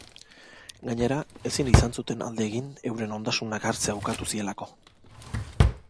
Gainera, ezin izan zuten alde egin euren ondasunak hartzea ukatu zielako.